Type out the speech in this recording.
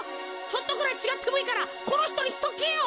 ちょっとぐらいちがってもいいからこのひとにしとけよ。